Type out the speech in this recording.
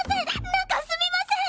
なんかすみません！